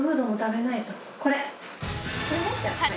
これ。